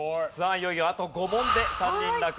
いよいよあと５問で３人落第です。